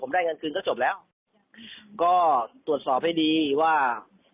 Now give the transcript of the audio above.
ได้เงินคืนก็จบแล้วก็ตรวจสอบให้ดีว่า